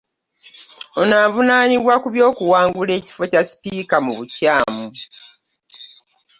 Ono avunaanibwa ku by'okuwangula ekifo kya sipiika mu bukyamu.